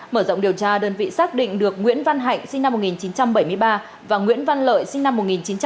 mở rộng điều tra đơn vị xác định được nguyễn văn hạnh sinh năm một nghìn chín trăm bảy mươi ba và nguyễn văn lợi sinh năm một nghìn chín trăm tám mươi